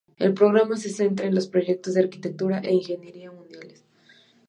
El programa se centra en los proyectos de arquitectura e ingeniería mundiales.